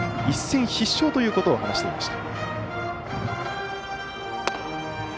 一戦必勝ということを話していました。